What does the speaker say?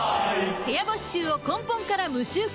部屋干し臭を根本から無臭化